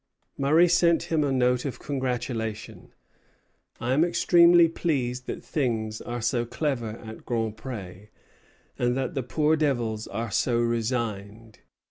Murray sent him a note of congratulation: "I am extremely pleased that things are so clever at Grand Pré, and that the poor devils are so resigned.